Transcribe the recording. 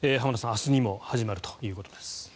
明日にも始まるということです。